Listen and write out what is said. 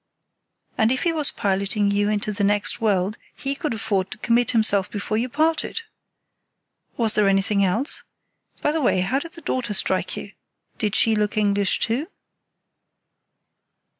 "And if he was piloting you into the next world he could afford to commit himself before you parted! Was there anything else? By the way, how did the daughter strike you? Did she look English too?"